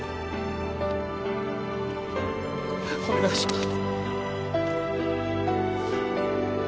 お願いします。